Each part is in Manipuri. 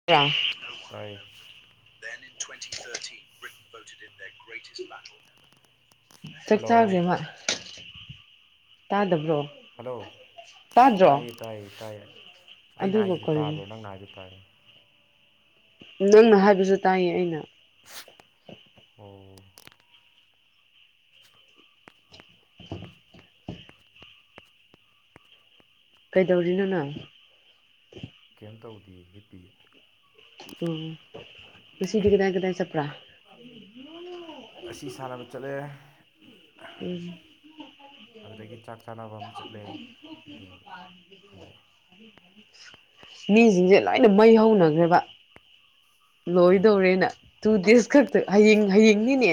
꯭ [unintelligible] ꯇꯥꯏ [unintelligible] ꯆꯥꯛ ꯆꯥꯒꯔꯦ ꯍꯜꯂꯣ ꯃꯥ ꯇꯥꯗꯕ꯭ꯔꯣ ꯍꯜꯂꯣ ꯇꯥꯗ꯭ꯔꯣ ꯇꯥꯏꯌꯦ ꯇꯥꯏꯌꯦ ꯇꯥꯏꯌꯦ ꯑꯩꯅ ꯑꯗꯨꯕꯨ ꯍꯥꯏꯁꯤꯗꯤ ꯀꯔꯤꯅꯣ ꯇꯥꯕ꯭ꯔꯣ ꯅꯪꯅ ꯍꯥꯏꯕꯗꯨ ꯇꯥꯏꯌꯦ ꯅꯪꯅ ꯍꯥꯏꯕꯁꯨ ꯇꯥꯏꯌꯦ ꯑꯩꯅ ꯑꯣ [inaudible] ꯀꯩꯗꯧꯔꯤꯅꯣ ꯅꯪ ꯀꯩꯝꯇꯧꯗꯦ ꯍꯤꯞꯄꯤꯌꯦ ꯎꯝ ꯉꯁꯤꯗꯤ ꯀꯗꯥꯏ ꯀꯗꯥꯏ ꯆꯠꯄ꯭ꯔꯥ [inaudible] ꯉꯁꯤ ꯁꯥꯟꯅꯕ ꯆꯠꯂꯦ ꯎꯝ ꯑꯗꯨꯗꯒꯤ ꯆꯥꯛ ꯆꯥꯅꯕ ꯑꯃ ꯆꯠꯂꯦ ꯑꯗꯨ ꯍꯟꯂꯛꯑꯦ [inaudible] ꯃꯤꯁꯤꯡꯁꯦ ꯂꯣꯏꯅ ꯃꯩ ꯍꯧꯅꯈ꯭ꯔꯦꯕ ꯀꯩꯒꯤ ꯂꯣꯏꯗꯧꯔꯦꯅ ꯇꯨ ꯗꯦꯁ ꯈꯛꯇ ꯍꯌꯦꯡ ꯍꯌꯦꯡꯅꯤꯅꯦ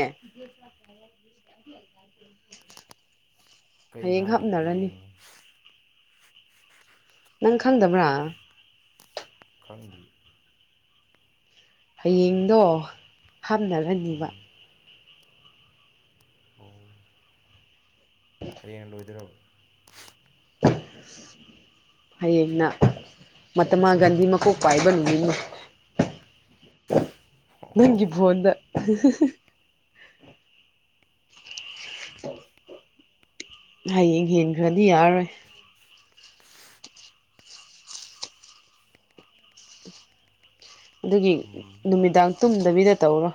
ꯀꯩꯅꯣ ꯍꯌꯦꯡ ꯍꯥꯏꯁꯦ ꯍꯥꯞꯅꯔꯅꯤ ꯍꯌꯦꯡꯅꯤ ꯅꯪ ꯈꯪꯗꯕ꯭ꯔꯥ ꯈꯪꯗꯤꯌꯦ ꯍꯌꯦꯡꯗꯣ ꯍꯥꯟꯅꯔꯅꯤꯕꯥ ꯎꯝ ꯑꯣ ꯍꯌꯦꯡ ꯂꯣꯏꯗꯣꯏꯔꯕ ꯍꯌꯦꯡꯅ ꯃꯍꯥꯇꯃꯥ ꯒꯥꯟꯙꯤ ꯃꯀꯣꯛ ꯄꯥꯏꯕ ꯅꯨꯃꯤꯠꯅꯤ [unintelligible] ꯑꯣ ꯅꯪꯒꯤ ꯐꯣꯟꯗ [unintelligible] ꯍꯌꯦꯡ ꯍꯦꯟꯈ꯭ꯔꯗꯤ ꯌꯥꯔꯔꯣꯏ ꯑꯗꯨꯒꯤ ꯎꯝ ꯅꯨꯃꯤꯗꯥꯡ ꯇꯨꯝꯗꯕꯤꯗ ꯇꯧꯔꯣ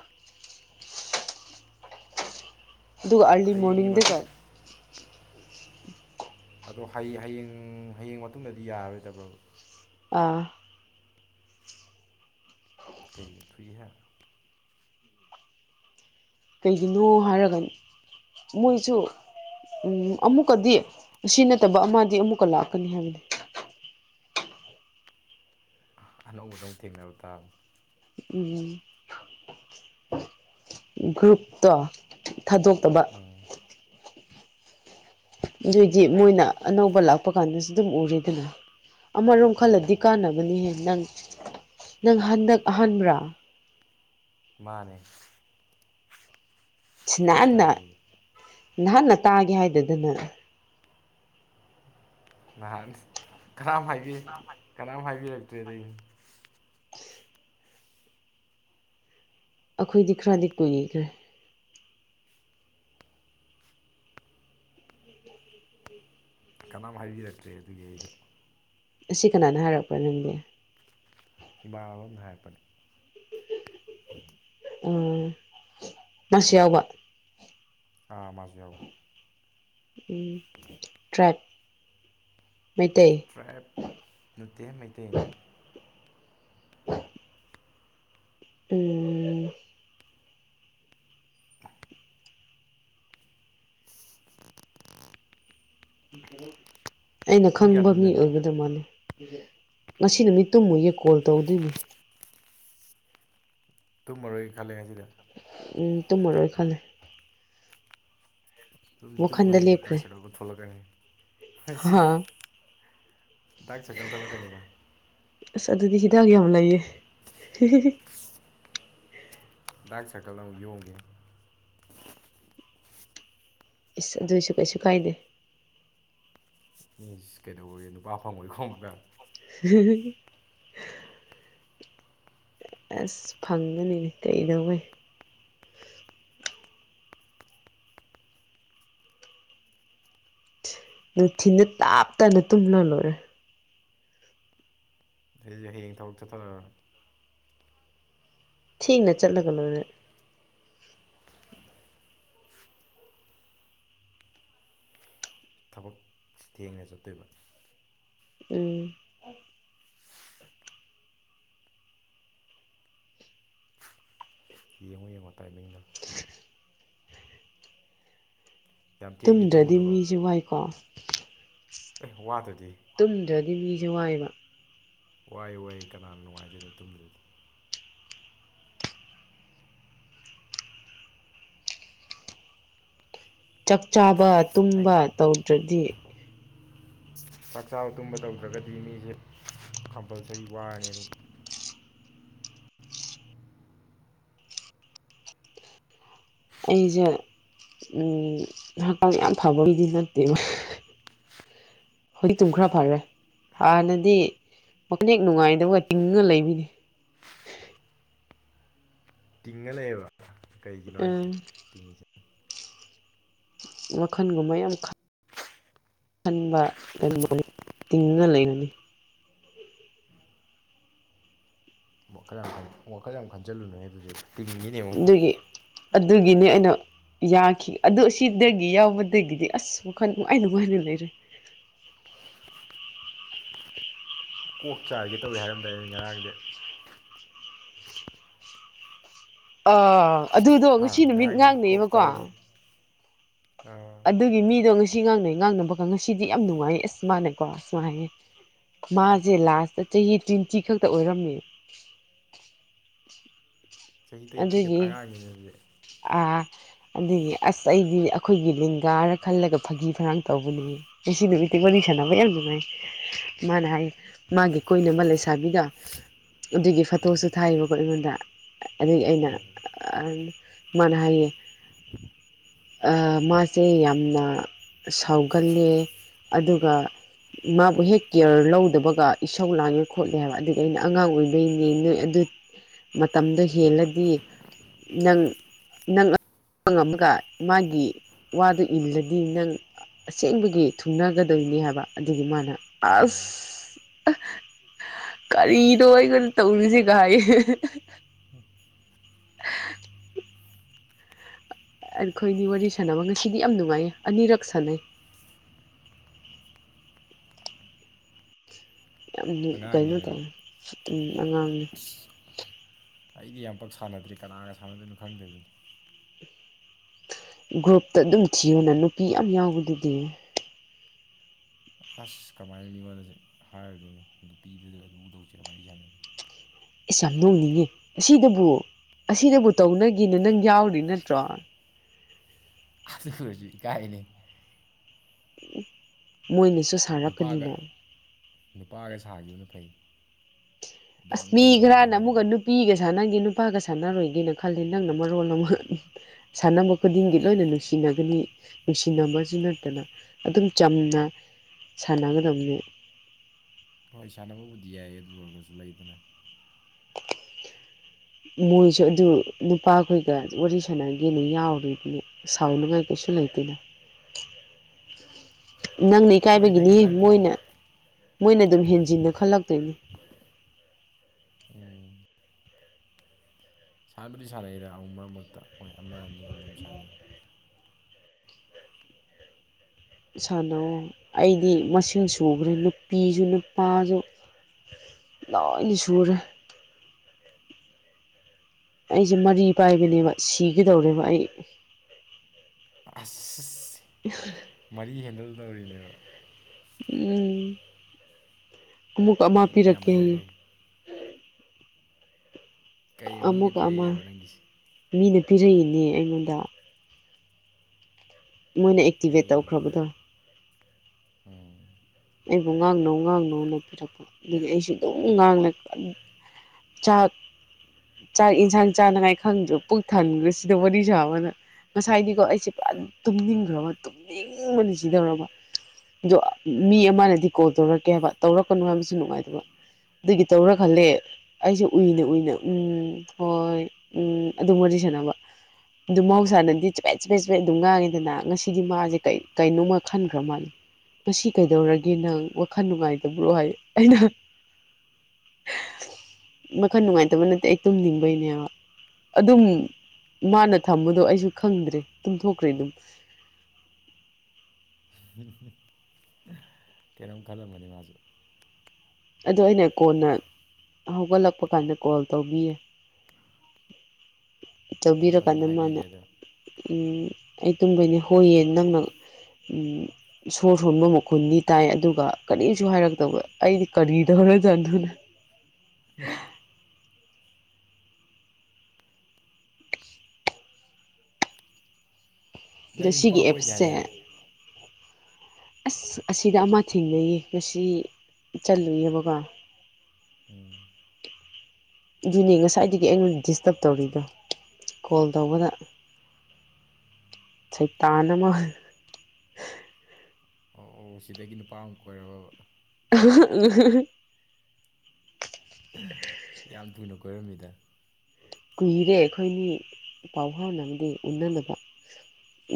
ꯑꯗꯨꯒ ꯑꯥꯔꯂꯤ ꯍꯌꯦꯡꯒꯤ ꯃꯣꯔꯅꯤꯡꯗꯒ ꯃꯇꯨꯡ [inaudible] ꯑꯗꯣ ꯍꯌꯦꯡ ꯍꯌꯦꯡ ꯃꯇꯨꯡꯗꯗꯤ ꯌꯥꯔꯔꯣꯏꯗꯕ꯭ꯔꯕ ꯑꯥ ꯀꯩꯒꯤ ꯊꯨꯏꯍꯦ ꯀꯩꯒꯤꯅꯣ ꯍꯥꯏꯔꯒ ꯃꯣꯏꯁꯨ ꯎꯝ ꯑꯃꯨꯛꯀꯗꯤ ꯁꯤ ꯅꯠꯇꯕ ꯑꯃꯗꯤ ꯑꯃꯨꯛꯀ ꯂꯥꯛꯀꯅꯤ ꯍꯥꯏꯕꯅꯤ ꯑꯅꯧꯕꯗ ꯑꯃꯨꯛ ꯊꯦꯡꯅꯕ ꯇꯥꯕꯅꯤ ꯎꯝ ꯒꯔ꯭ꯨꯞꯇꯣ ꯊꯥꯗꯣꯛ ꯎꯝ ꯑꯗꯨꯑꯣꯏꯗꯤ ꯃꯣꯏꯅ ꯑꯅꯧꯕ ꯂꯥꯛꯄ ꯀꯥꯟꯗꯁꯨ ꯑꯗꯨꯝ ꯎꯔꯦꯗꯅ ꯑꯃꯔꯣꯝ ꯑꯥ ꯈꯜꯂꯗꯤ ꯀꯥꯟꯅꯕꯅꯤꯍꯦ ꯅꯪ ꯅꯪ ꯍꯟꯗꯛ ꯑꯍꯥꯟꯕ꯭ꯔꯥ ꯃꯥꯅꯦ ꯐꯥꯔꯁ ꯅꯍꯥꯟꯅ ꯇꯥꯏꯝꯅꯦ ꯑꯩꯁꯨ ꯅꯍꯥꯟꯅ ꯇꯥꯒꯦ ꯍꯥꯏꯗꯗꯅ꯫ ꯅꯍꯥꯟ ꯀꯅꯥꯝ ꯍꯥꯏꯕꯤ ꯀꯅꯥꯝ ꯍꯥꯏꯕꯤꯔꯛꯇ꯭ꯔꯦꯅꯦ ꯑꯩ ꯑꯩꯈꯣꯏꯗꯤ ꯈꯔꯗꯤ ꯀꯨꯏꯈ꯭ꯔꯦ꯫ ꯎꯝ ꯀꯅꯥꯝ ꯍꯥꯏꯕꯤꯔꯛꯇ꯭ꯔꯦ ꯑꯗꯨꯒꯤ ꯑꯩꯖꯨ ꯑꯁꯤ ꯀꯅꯥꯅ ꯍꯥꯏꯔꯛꯄꯔ꯭ ꯅꯪꯗꯤ ꯏꯃꯥꯟꯅꯕ ꯑꯃꯅ ꯍꯥꯏꯔꯛꯄꯅꯤ ꯎꯝ ꯃꯥꯁꯨ ꯌꯥꯎꯕ ꯑ ꯃꯖꯨ ꯌꯥꯎꯕ ꯎꯝ ꯇ꯭ꯔꯥꯏꯕ ꯃꯩꯇꯩ ꯇ꯭ꯔꯥꯏꯕ ꯅꯠꯇꯦ ꯃꯩꯇꯩꯅꯦ꯫ INAUDIBLE ꯎꯝ꯫ ꯎꯝ꯫ ꯑꯩꯅ ꯄꯨꯡ ꯀꯌꯥ ꯈꯪꯕ ꯃꯤ ꯇꯨꯝꯗꯣꯏꯅꯣ ꯑꯣꯏꯒꯗ ꯃꯥꯜꯂꯦ ꯉꯁꯤ ꯅꯨꯃꯤꯠ ꯇꯨꯝꯃꯣꯏꯌꯦ ꯀꯣꯜ ꯇꯧꯗꯣꯏꯅꯤ꯫ ꯇꯨꯝꯃꯔꯣꯏꯒꯦ ꯈꯜꯂꯦ ꯉꯁꯤꯗꯤ꯫ ꯎꯝ ꯇꯨꯝꯃꯔꯣꯏ ꯈꯜꯂꯦ꯫ ꯇꯨꯨꯝꯗꯤ ꯇꯨꯝꯃꯨ ꯋꯥꯈꯟꯗ ꯍꯦ ꯗꯥꯛ ꯂꯦꯞꯈ꯭ꯔꯦ ꯁ꯭ꯔꯀꯜ ꯃꯨꯛ ꯊꯣꯛꯂꯛꯀꯅꯤ ꯍꯥ [unintelligible] ꯗꯥꯛ ꯁ꯭ꯔꯀꯜ ꯊꯣꯔꯛꯀꯅꯤꯀꯣ꯫ ꯑꯁ ꯑꯗꯨꯗꯤ ꯍꯤꯗꯥꯛ ꯌꯥꯝ ꯂꯩꯏꯌꯦ [unintelligible] ꯗꯥꯥꯛꯛ ꯁ꯭ꯔꯀꯜꯅ ꯑꯃꯨꯛ ꯌꯣꯝꯅꯤ꯫ ꯏꯁ ꯑꯗꯨꯏꯁꯨ ꯀꯩꯁꯨ ꯀꯥꯏꯗꯦ꯫ ꯏꯁ ꯀꯩꯗꯧꯕꯒꯤ ꯅꯨꯄꯥ ꯐꯪꯉꯣꯏꯀꯣ ꯑꯃꯨꯛꯀ꯫ [unintelligible] ꯑꯁ ꯐꯪꯒꯅꯤꯅꯦ ꯀꯩꯗꯧꯕꯩ ꯅꯨꯡꯊꯤꯟꯗ ꯇꯞ ꯇꯥꯟꯅ ꯇꯨꯝꯂ ꯂꯣꯏꯔꯦ꯫ ꯑꯗꯨꯗꯤ ꯍꯌꯦꯡ ꯊꯕꯛ ꯆꯠꯊꯣꯛꯔꯔꯣꯏ꯫ ꯊꯦꯡꯅ ꯆꯠꯂꯒ ꯂꯣꯏꯔꯦ꯫ ꯊꯕꯛ ꯊꯦꯡꯅ ꯆꯠꯇꯣꯏꯕ꯫ ꯎꯝ꯫ ꯌꯦꯡꯉꯣ ꯌꯦꯡꯉꯣ ꯇꯥꯏꯃꯤꯡꯗꯣ꯫ ꯌꯥꯝ ꯊꯦꯡꯅꯗꯤ ꯇꯨꯝꯗ꯭ꯔꯗꯤ ꯇꯨꯝꯃꯨꯅꯨꯀꯣ ꯃꯤꯖꯦ ꯋꯥꯏꯀꯣ꯫ ꯑꯦ ꯋꯥꯗ꯭ꯔꯗꯤ꯫ ꯇꯨꯝꯗ꯭ꯔꯗꯤ ꯃꯤꯖꯦ ꯋꯥꯏꯌꯦꯕ꯫ ꯋꯥꯏ ꯋꯥꯏ ꯀꯅꯥꯅ ꯅꯨꯡꯉꯥꯏꯗꯣꯏꯅꯣ ꯇꯨꯝꯗ꯭ꯔꯗꯤ꯫ ꯆꯥꯛ ꯆꯥꯕ ꯇꯨꯝꯕ ꯇꯧꯗ꯭ꯔꯗꯤ ꯆꯥꯛꯆꯥ ꯇꯨꯝꯕ ꯇꯧꯗ꯭ꯔꯒꯗꯤ ꯃꯤꯁꯦ ꯀꯝꯄꯜꯁꯔꯤ ꯋꯥꯔꯅꯤ ꯑꯗꯨꯝ ꯑꯩꯁꯦ ꯎꯝ ꯍꯛꯀꯥꯝ ꯌꯥꯝ ꯐꯕ ꯃꯤꯗꯤ ꯅꯠꯇꯦꯅꯦ꯫ ꯍꯧꯖꯤꯛꯇꯨꯝ ꯈꯔ ꯐꯥꯔꯦ꯫ ꯍꯥꯟꯅꯗꯤ [unintelligible] ꯅꯨꯡꯉꯥꯏꯗꯕꯒ ꯇꯤꯡꯉ ꯂꯩꯕꯅꯤ꯫ ꯇꯤꯡꯉ ꯂꯩꯌꯦꯕ ꯀꯩꯒꯤꯅꯣ ꯍꯥꯏꯖꯦ ꯎꯝ ꯇꯤꯡꯉꯤꯁꯦ꯫ ꯋꯥꯈꯟꯒꯨꯝꯕ ꯌꯥꯝ ꯈꯟ ꯈꯟꯕ ꯑꯗꯨꯗꯨꯅ [unintelligible] ꯇꯤꯡꯉ ꯂꯩꯕꯅꯤ꯫ ꯋꯥꯈꯜ ꯌꯥꯝ ꯋꯥꯈꯜ ꯌꯥꯝ ꯈꯟꯖꯜꯂꯨꯅꯨꯍꯦ ꯑꯗꯨꯗꯤ ꯇꯤꯡꯒꯤꯅꯤ ꯑꯗꯨꯒꯤ ꯑꯗꯨꯒꯤꯅꯤ ꯑꯩꯅ ꯌꯥꯈꯤ ꯑꯗꯨ ꯑꯁꯤꯗꯒꯤ ꯌꯥꯎꯕꯗꯒꯤꯗꯤ ꯑꯁ ꯋꯥꯈꯜ ꯅꯨꯡꯉꯥꯏ ꯅꯨꯡꯉꯥꯏꯅ ꯂꯩꯔꯦ꯫ ꯀꯣꯛ ꯆꯥꯏꯒꯦ ꯇꯧꯏ ꯍꯥꯏꯔꯝꯗꯥꯏ ꯉꯔꯥꯡꯗꯤ꯫ ꯑꯥ ꯑꯗꯨꯗꯣ ꯍꯥ ꯉꯁꯤ ꯅꯨꯃꯤꯠ ꯉꯔꯥꯡꯗꯤ ꯀꯣꯛ ꯉꯥꯡꯅꯩꯕꯀꯣ ꯆꯥꯏꯒꯦ ꯑꯥ ꯑꯗꯨꯒꯤ ꯃꯤꯗꯣ ꯉꯁꯤ ꯉꯥꯡꯅꯩ ꯉꯥꯡꯅꯕꯒ ꯉꯁꯤꯗꯤ ꯌꯥꯝ ꯅꯨꯡꯉꯥꯏꯌꯦ ꯑꯁ ꯃꯥꯅꯀꯣ ꯑꯁꯨꯃꯥꯏꯌꯦ ꯃꯥꯁꯦ ꯂꯥꯁꯇ ꯆꯍꯤ ꯇ꯭ꯋꯦꯟꯇꯤ ꯈꯛꯇ ꯑꯣꯏꯔꯝꯃꯤꯅꯦ ꯆꯍꯤ ꯇ꯭ꯋꯦꯟꯇꯤꯈꯛꯇ ꯑꯗꯨꯒꯤ ꯑꯉꯥꯡꯅꯤꯅꯦ ꯑꯗꯨꯗꯤ ꯑꯥ ꯑꯗꯨꯒꯤ ꯑꯁ ꯑꯩꯗꯤ ꯑꯩꯈꯣꯏꯒꯤ ꯂꯤꯡꯒꯥꯔ ꯈꯜꯂꯒ ꯐꯥꯒꯤ ꯐꯔꯥꯡ ꯇꯧꯕꯅꯤ ꯉꯁꯤ ꯅꯨꯃꯤꯠꯇꯤ ꯋꯥꯔꯤ ꯁꯥꯟꯅꯕ ꯌꯥꯝ ꯅꯨꯡꯉꯥꯏ ꯃꯥꯅ ꯍꯥꯏ ꯃꯥꯒꯤ ꯀꯣꯏꯅꯕ ꯂꯩꯁꯥꯕꯤꯗꯣ ꯑꯗꯨꯒꯤ ꯐꯣꯇꯣꯁꯨ ꯊꯥꯏꯌꯦꯕꯀꯣ ꯑꯩꯉꯣꯟꯗ ꯑꯗꯨꯏ ꯑꯩꯅ ꯑꯥ ꯃꯥꯅ ꯍꯥꯏꯌꯦ꯫ ꯃꯥꯁꯦ ꯌꯥꯝꯅ ꯁꯥꯎꯒꯜꯂꯤ ꯑꯗꯨꯒ ꯃꯥꯕꯨ ꯍꯦꯛ ꯀꯦꯌꯔ ꯂꯧꯗꯕꯒ ꯏꯁꯧ ꯂꯥꯡꯉꯦ ꯈꯣꯠꯂꯦ ꯍꯥꯏꯕ ꯑꯗꯨꯗꯤ ꯑꯩꯅ ꯑꯉꯥꯡ ꯑꯣꯏꯕꯩꯅꯦ ꯅꯣꯏ ꯑꯗꯨ ꯃꯇꯝꯗꯣ ꯍꯦꯜꯂꯗꯤ ꯅꯪ ꯅꯪ ꯉꯝꯃꯒ ꯃꯥꯒꯤ ꯋꯥꯗꯨ ꯏꯜꯂꯗꯤ ꯅꯪ ꯑꯁꯦꯡꯕꯒꯤ ꯊꯨꯡꯅꯒꯗꯕꯅꯤ ꯍꯥꯏꯕ ꯑꯗꯨꯒꯤ ꯃꯥꯅ ꯑꯁ [unintelligible] ꯀꯔꯤꯅꯣ ꯑꯩꯉꯣꯟꯗ ꯇꯧꯔꯤꯖꯦꯒꯥ ꯍꯥꯏꯌꯦ [unintelligible] ꯑꯩꯈꯣꯏꯅꯤ ꯋꯥꯔꯤ ꯁꯥꯟꯅꯕ ꯉꯁꯤꯗꯤ ꯌꯥꯝ ꯅꯨꯡꯉꯥꯏꯌꯦ ꯑꯅꯤꯔꯛ ꯁꯥꯅꯩ ꯌꯥꯝ ꯀꯩꯅꯣ ꯑꯉꯥꯡꯅꯤꯅꯀꯣ ꯇꯥꯏ ꯑꯉꯥꯡꯅꯤ ꯑꯩꯗꯤ ꯌꯥꯝ ꯄꯛ ꯁꯥꯟꯅꯗ꯭ꯔꯦ ꯀꯅꯥꯒ ꯁꯥꯟꯅꯗꯣꯏꯅꯣ ꯈꯪꯗꯕꯤꯅꯤ ꯒ꯭ꯔꯨꯞꯇ ꯑꯗꯨꯝ ꯊꯤꯌꯨꯅ ꯅꯨꯄꯤ ꯌꯥꯝ ꯌꯥꯎꯕꯗꯨꯗꯤ ꯑꯁ ꯀꯃꯥꯏꯅ ꯃꯤꯉꯣꯟꯗ ꯍꯥꯏꯔꯗꯣꯏꯅꯣ ꯅꯨꯄꯤꯗꯨꯗ ꯑꯗꯨꯗꯧꯁꯦ ꯋꯥꯔꯤ ꯁꯥꯟꯅ ꯑꯁ ꯌꯥꯝ ꯅꯣꯡꯅꯤꯡꯉꯦ ꯑꯁꯤꯗꯕꯨ ꯑꯁꯤꯗꯕꯨ ꯇꯧꯅꯒꯤꯅ ꯅꯪ ꯌꯥꯎꯔꯤ ꯅꯠꯇ꯭ꯔꯣ [unintelligible] ꯏꯀꯥꯏꯅꯦ ꯃꯣꯏꯅꯁꯨꯨ ꯅꯨꯄꯥꯒ ꯅꯨꯄꯥꯒ ꯁꯥꯈꯤꯕꯅ ꯐꯩ ꯑꯁ ꯗꯣꯡ ꯃꯤ ꯗꯣꯡ ꯗꯣꯡ ꯈꯔꯅ ꯑꯃꯨꯛꯀ ꯍꯥꯏꯅꯔꯒ ꯅꯨ ꯅꯨꯄꯤꯒ ꯁꯥꯟꯅꯒꯦ ꯅꯨꯄꯥꯒ ꯁꯥꯟꯅꯔꯣꯏꯒꯦꯅ ꯈꯜꯂꯤ ꯅꯪꯅ ꯃꯔꯣꯜ ꯑꯃ ꯁꯥꯟꯅꯕ ꯈꯨꯗꯤꯡꯒꯤ ꯂꯣꯏꯅ ꯅꯨꯡꯁꯤꯅꯒꯅꯤ ꯅꯨꯡꯁꯤꯅꯕꯁꯨ ꯅꯠꯇꯅ ꯑꯗꯨꯝ ꯆꯝꯅ ꯁꯥꯟꯅꯒꯗꯕꯅꯤ ꯍꯣꯏ ꯁꯥꯟꯅꯕꯕꯨꯗꯤ ꯌꯥꯏ ꯑꯗꯨ ꯑꯣꯏꯔꯒꯁꯨ ꯂꯩꯗꯅ [unintelligible] ꯃꯣꯏꯁꯨ ꯑꯗꯨ ꯅꯨꯄꯥꯈꯣꯏꯒ ꯋꯥꯔꯤ ꯁꯥꯟꯅꯒꯦꯅ ꯌꯥꯎꯔꯤꯗꯨꯅꯦ ꯁꯥꯎꯅꯨ ꯉꯥꯏ ꯀꯁꯨ ꯂꯩꯇꯅ [unintelligible] ꯅꯪꯅ ꯍꯣꯏ ꯅꯪꯒꯤ ꯏꯀꯥꯏꯕꯒꯤꯅꯤ ꯑꯗꯨꯃꯥꯏꯅ ꯐꯅꯤ ꯃꯣꯏꯅ ꯃꯣꯏꯅ ꯑꯗꯨꯝ ꯍꯦꯟꯖꯤꯟꯅ ꯈꯜꯂꯛꯇꯣꯏꯅꯤ ꯎꯝ ꯁꯥꯟꯅꯕꯗꯤ ꯁꯥꯟꯅꯩꯗ ꯑꯃꯨꯛ ꯃꯔꯛ ꯃꯔꯛꯇ ꯃꯣꯏ ꯑꯃ ꯑꯅꯤꯒꯨꯝꯕ ꯑꯃ ꯁꯥꯟꯅꯩ ꯁꯥꯟꯅꯧ ꯑꯩꯗꯤ ꯃꯁꯤꯡ ꯁꯨꯈ꯭ꯔꯦ ꯅꯨꯄꯤꯁꯨ ꯅꯨꯄꯥꯁꯨ ꯂꯣꯏꯅꯤ ꯁꯨꯔꯦ ꯑꯩꯁꯦ ꯃꯔꯤ ꯄꯥꯏꯕꯅꯦꯕ ꯁꯤꯒꯗꯧꯔꯦꯕ ꯑꯩ ꯑ [unintelligible] ꯃꯔꯤ ꯍꯦꯟꯗꯜ ꯇꯧꯔꯤꯅꯦꯕ ꯎꯝ ꯑꯃꯨꯀ ꯃꯥꯄꯤ ꯃꯔꯤꯗꯤ ꯔꯈꯦ ꯍꯥꯏꯦ ꯌꯥꯝꯃꯟꯈ꯭ꯔꯦ ꯀꯩ ꯃꯤꯅ ꯑꯃꯨꯛꯀ ꯑꯃ ꯄꯤꯔꯛꯏꯔꯕ ꯅꯪꯒꯤꯁꯦ ꯃꯤꯅ ꯄꯤꯔꯛꯏꯅꯦ ꯑꯩꯉꯣꯟꯗ ꯃꯣꯏꯅ ꯑꯦꯛꯇꯤꯚꯦꯠ ꯑꯦ ꯇꯧꯈ꯭ꯔꯕꯗꯣ ꯎꯝ ꯑꯩꯕꯨ ꯉꯥꯡꯅꯧ ꯉꯥꯡꯅꯧꯅ ꯄꯤꯔꯛꯄ ꯑꯗꯒꯤ ꯑꯩꯁꯨ ꯑꯗꯨꯝ ꯉꯥꯡꯂꯛ ꯆꯥꯛ ꯆꯥꯛ ꯌꯦꯟꯁꯥꯡ ꯆꯥꯅꯉꯥꯏ ꯈꯪꯗ꯭ꯔ ꯄꯨꯛ ꯊꯟꯈ꯭ꯔꯦ ꯁꯤꯗ ꯋꯥꯔꯤ ꯁꯥꯕꯅ ꯉꯁꯥꯏꯗꯤꯀꯣ ꯑꯩꯁꯦ ꯄꯨꯔꯥ ꯇꯨꯝꯅꯤꯡꯈ꯭ꯔꯕ ꯇꯨꯝꯅꯤꯡꯕꯅꯤ ꯁꯤꯗꯧꯔꯕ ꯑꯗꯣ ꯃꯤ ꯑꯃꯅꯗꯤ ꯀꯣꯜ ꯇꯧꯔꯛꯀꯦ ꯍꯥꯏꯕ ꯇꯧꯔꯛꯀꯅꯨ ꯍꯥꯏꯕꯁꯨ ꯅꯨꯡꯉꯥꯏꯇꯕ ꯑꯗꯨꯒꯤ ꯇꯧꯔ ꯈꯜꯂꯦ ꯑꯩꯁꯨꯦ ꯎꯨꯏꯅ ꯎꯨꯏꯅ ꯎꯝ ꯍꯣꯏ ꯎꯝ ꯑꯗꯨꯝ ꯋꯥꯔꯤ ꯁꯅꯕ ꯑꯗꯨ ꯃꯍꯧꯁꯥꯅꯗꯤ ꯆꯨꯄꯦꯠ ꯆꯨꯄꯦꯠ ꯆꯨꯄꯦꯠ ꯑꯗꯨ ꯉꯥꯡꯉꯤꯗꯅ ꯉꯁꯤꯗꯤ ꯃꯥꯁꯦ ꯀꯩ ꯀꯩꯅꯣꯃ ꯈꯟꯈ꯭ꯔ ꯃꯥꯜꯂꯦ ꯉꯁꯤ ꯀꯩꯗꯧꯔꯒꯦ ꯅꯪ ꯋꯥꯈꯜ ꯅꯨꯡꯉꯥꯏꯇꯕ꯭ꯔꯣ ꯍꯥꯏ ꯑꯩꯅ [unintelligible] ꯃꯈꯟ ꯅꯨꯡꯉꯥꯏꯇꯕ ꯅꯠꯇꯦ ꯑꯩ ꯇꯨꯝꯅꯤꯡꯕꯒꯤꯅꯦꯕ ꯑꯗꯨꯝ ꯃꯥꯅ ꯊꯝꯕꯗꯣ ꯑꯩꯁꯨ ꯈꯪꯗ꯭ꯔꯦ ꯇꯨꯡꯊꯣꯛꯈ꯭ꯔꯦ ꯑꯗꯨꯝ ꯍꯝ ꯍꯨꯝ ꯀꯩꯅꯣꯝ ꯈꯜꯂꯝꯃꯅꯤ ꯃꯥꯁꯨ ꯑꯗꯣ ꯑꯩꯅ ꯀꯣꯟꯅ ꯍꯧꯒꯠꯂꯛꯄ ꯀꯥꯟꯗ ꯀꯣꯜ ꯇꯧꯕꯤꯌꯦ [unintelligible] ꯑꯗꯨꯝ ꯐꯖꯅ ꯆꯧꯕꯤꯔꯀꯥꯟꯗ ꯃꯥꯅ ꯍꯥꯏꯕꯤꯈ꯭ꯔꯦꯗ ꯑꯩ ꯇꯨꯝꯗꯣꯏꯅꯦ ꯍꯣꯏꯌꯦ ꯅꯪꯅ ꯁꯣꯔ ꯁꯣꯟꯕ ꯃꯈꯨꯟꯗꯤ ꯇꯥꯏ ꯑꯗꯨꯒ ꯀꯔꯤꯝꯁꯨ ꯍꯥꯏꯔꯛꯇꯕ ꯑꯩꯗꯤ ꯀꯅꯤꯗꯒ ꯆꯅꯦ ꯑꯗ ꯅꯪꯗꯤ ꯅꯨꯄꯥ ꯁꯤꯒꯤ ꯀꯣꯏꯗꯦ ꯍꯥꯏꯇꯥꯔꯦ ꯑꯦꯞꯁꯦ ꯑꯁ ꯑꯁꯤꯗ ꯑꯃ ꯊꯦꯡꯅꯩꯌꯦ ꯉꯁꯤ ꯆꯠꯂꯨꯏꯌꯦꯕꯀꯣ ꯎꯝ ꯑꯗꯨꯅꯦ ꯉꯁꯥꯏꯗꯒꯤ ꯑꯩꯉꯣꯟꯗ ꯗꯤꯁꯇꯔꯕ ꯇꯧꯔꯤꯗꯣ ꯀꯣꯜ ꯇꯧꯕꯗ ꯁꯩꯇꯥꯟ ꯑꯃ ꯑꯣ ꯑꯣ ꯁꯤꯗꯒꯤ ꯅꯨꯄꯥ ꯑꯃ ꯀꯣꯏꯔꯕ ꯎ ꯌꯥꯝ ꯊꯨꯅ ꯀꯣꯏꯔꯝꯃꯤꯗ ꯀꯨꯏꯔꯦ ꯑꯩꯈꯣꯏꯅꯤ ꯄꯥꯎꯍꯥꯎꯅꯕꯗꯤ ꯎꯅꯅꯕ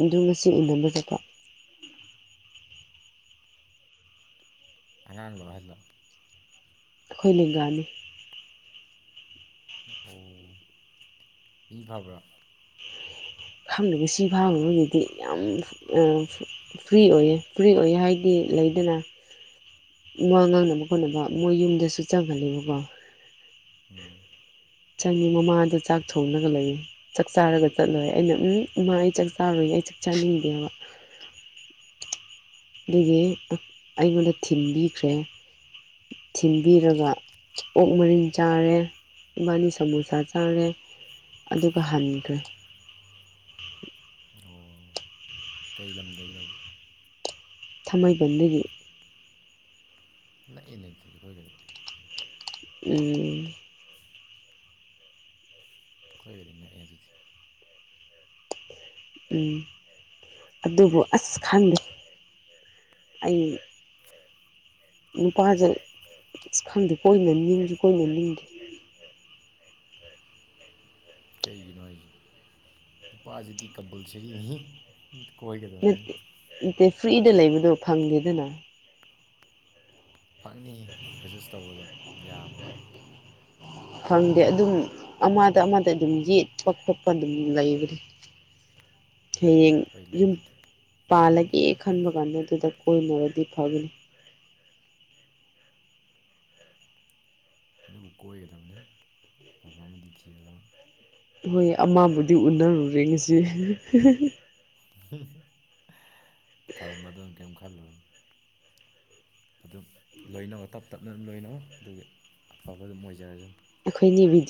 ꯑꯗꯨ ꯉꯁꯤ ꯏꯕꯖꯠꯄꯣ ꯑꯉꯥꯡ ꯂꯣ ꯍꯥꯏꯂ ꯑꯩꯈꯣꯏ ꯂꯦꯡꯒꯥꯅꯤ ꯑꯣ ꯃꯤ ꯐꯕ꯭ꯔꯥ ꯈꯪꯕ ꯁꯤ ꯐꯥꯕꯒꯤꯗꯤ ꯌꯥꯝ ꯐ꯭ꯔꯤ ꯑꯣꯏꯌꯦ ꯐ꯭ꯔꯤ ꯑꯣꯏꯌꯦ ꯍꯥꯏꯗꯤ ꯂꯩꯗꯅ ꯋꯥ ꯉꯥꯡꯅꯕ ꯈꯣꯠꯅꯕ ꯃꯣꯏ ꯌꯨꯝꯗꯁꯨ ꯆꯪꯍꯜꯂꯦꯕꯀꯣ ꯎꯝ ꯆꯪꯉꯤ ꯃꯃꯥꯗ ꯆꯥꯛ ꯊꯣꯡꯉꯒ ꯂꯩꯌꯦ ꯆꯥꯛ ꯆꯥꯔꯒ ꯆꯠꯂꯣꯏꯦ ꯑꯩꯅ ꯎꯝ ꯏꯃꯥ ꯑꯩ ꯆꯥꯛ ꯆꯥꯔꯣꯏꯏ ꯑꯩ ꯆꯥꯛ ꯆꯥꯅꯤꯡꯗꯦꯕ ꯑꯗꯨꯒꯤ ꯑꯩꯉꯣꯟꯗ ꯊꯤꯟꯕꯤꯈ꯭ꯔꯦ ꯊꯤꯟꯕꯤꯔꯒ ꯑꯣꯛ ꯃꯔꯤꯟ ꯆꯥꯔꯦ ꯏꯕꯥꯅꯤ ꯁꯃꯣꯁꯥ ꯆꯥꯔꯦ ꯑꯗꯨꯒ ꯍꯟꯈ꯭ꯔꯦ ꯑꯣ ꯀꯩ ꯂꯝꯗꯩꯅꯣꯕꯨ ꯊꯥꯡꯃꯩꯕꯟꯗꯒꯤ ꯅꯥꯛꯏ ꯅꯠꯇꯗꯤ ꯍꯣꯏꯒ ꯎꯝ ꯀꯣꯏꯒꯅꯤ ꯅꯑ ꯑꯗꯨꯗꯤ ꯎꯝ ꯑꯗꯨꯕꯨ ꯑꯁ ꯈꯪꯗꯦ ꯑꯩ ꯅꯨꯄꯥꯁꯦꯁ ꯈꯪꯗꯦ ꯀꯣꯏꯅ ꯅꯤꯡꯗ ꯀꯣꯏꯅ ꯂꯤꯡꯗꯦ ꯀꯔꯤꯅꯣ ꯄꯄꯥꯖꯤꯇꯤ ꯀꯝꯝꯕꯜ ꯆꯔꯤ ꯃꯤ ꯀꯣꯏ ꯀꯗꯝꯅꯤ ꯅꯠꯇꯦ ꯐ꯭ꯔꯤꯗ ꯂꯩꯕꯗꯣ ꯐꯪꯈꯤꯦꯗꯅ ꯐꯛꯅꯤ ꯑꯦꯗꯖꯁ ꯇꯧꯕꯗ ꯌꯥꯕꯅꯤ ꯐꯪꯗꯦ ꯑꯗꯨꯝ ꯑꯃꯗ ꯑꯃꯗ ꯑꯗꯨꯝ ꯌꯦꯠꯄ ꯈꯣꯠꯄ ꯑꯗꯨꯝ ꯂꯩꯕꯅꯤ [unintelligible] ꯍꯌꯦꯡ ꯍꯣꯏ ꯌꯨꯝ ꯂꯩꯕꯨꯗꯤ ꯄꯥꯜꯂꯒꯦ ꯈꯟꯕ ꯀꯥꯟꯗ ꯑꯗꯨꯗ ꯀꯣꯏꯅꯔꯗꯤ ꯐꯒꯅꯤ ꯑꯗꯨꯕꯨ ꯀꯣꯏꯒꯗꯕꯅꯤ ꯑꯐꯕ ꯑꯃꯗꯤ ꯊꯤꯒꯗꯝꯅꯤ꯫ ꯍꯣꯏ ꯑꯃꯕꯨꯗꯤ ꯎꯅꯔꯨꯔꯦ ꯉꯁꯤ ꯍꯥ ꯍꯥ ꯍꯥ꯫ ꯍꯨꯝ ꯐꯔꯝꯃꯗꯝ ꯀꯩꯝ ꯈꯜꯂꯨꯔꯅꯨ꯫ ꯑꯗꯨꯝ ꯂꯣꯏꯅꯃꯛ ꯇꯞ ꯇꯞꯅ ꯑꯗꯨꯝ ꯂꯣꯏꯅꯧ ꯑꯗꯨꯒꯤ ꯑꯐꯕ ꯑꯗꯨꯝ ꯑꯣꯏꯖꯔꯁꯅꯨ꯫ ꯑꯩꯈꯣꯏꯗꯤ ꯕꯤꯗꯤꯑꯣ